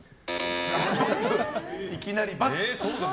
いきなり×。